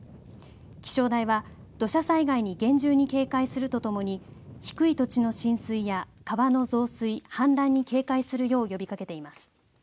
気象台は土砂災害に厳重に警戒するとともに低い土地の浸水や川の増水氾濫に警戒するよう呼びかけています。